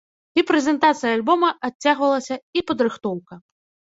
І прэзентацыя альбома адцягвалася і падрыхтоўка.